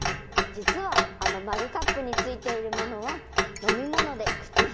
実はあのマグカップについているものは。